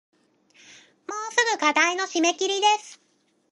もうすぐ課題の締切です